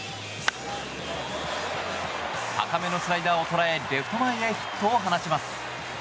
高めのスライダーを捉えレフト前へヒットを放ちます。